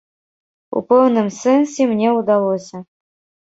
У пэўным сэнсе мне ўдалося.